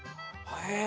へえ。